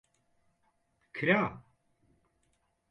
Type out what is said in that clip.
کرا.